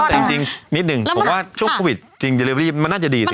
แต่จริงนิดนึงช่วงโควิดจริงจะเร็วรีบมันน่าจะดีสิครับ